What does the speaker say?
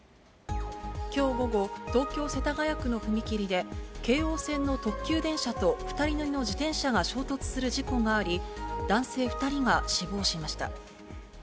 わかるぞきょう午後、東京・世田谷区の踏切で、京王線の特急電車と２人乗りの自転車が衝突する事故があり、男性２人が死亡しました。